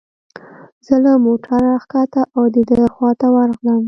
زه له موټره را کښته او د ده خواته ورغلم.